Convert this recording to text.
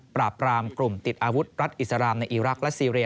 ปราบปรามกลุ่มติดอาวุธรัฐอิสรามในอีรักษ์และซีเรีย